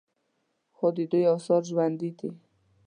خو د دوی آثار ژوندي دي